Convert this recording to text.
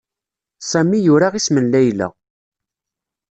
Sami yura isem n Layla.